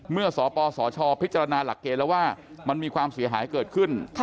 เมื่อสปสชพิจารณาหลักเกณฑ์แล้วว่ามันมีความเสียหายเกิดขึ้น